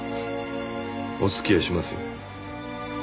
お付き合いしますよ。